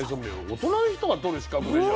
大人の人が取る資格でしょ？